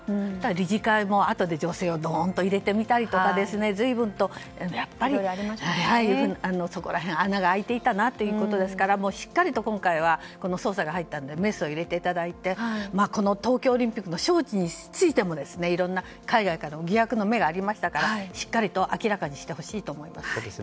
理事会も、あとで女性をドンと入れてみたりとか随分とそこら辺、穴が開いていたなということなのでしっかりと今回は捜査が入ったのでメスを入れていただいてこの東京オリンピックの招致についてもいろんな海外からの疑惑の目があったのでしっかり明らかにしてほしいと思います。